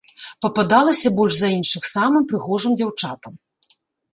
Пападалася больш за іншых самым прыгожым дзяўчатам.